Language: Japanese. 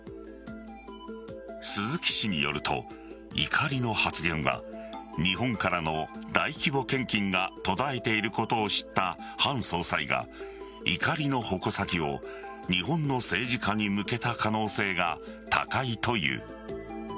鈴木氏によると怒りの発言は日本からの大規模献金が途絶えていることを知ったハン総裁が怒りの矛先を日本の政治家に向けた可能性が高いという。